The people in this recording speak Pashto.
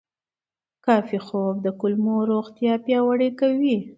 کافي خوب د کولمو روغتیا پیاوړې کوي.